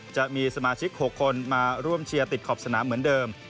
จะมีสมาชิก๖คนมาร่วมเชียร์ติดขอบสนามเหมือนเดิม